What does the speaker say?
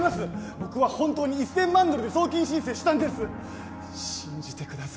僕は本当に１千万ドルで送金申請したんです信じてください！